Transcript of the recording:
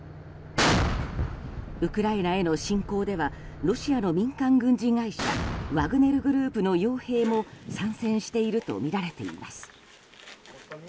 ウクライナへの侵攻ではロシアの民間軍事会社ワグネル・グループの傭兵も参戦しているとみられています。